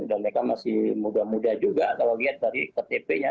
dan mereka masih muda muda juga kalau lihat dari ktp nya